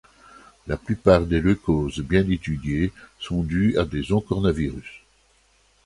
La plupart des leucoses bien étudiées sont dues à des oncornavirus.